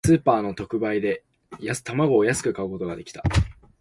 スーパーの特売で、卵を安く買うことができた。